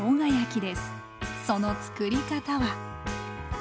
その作り方は？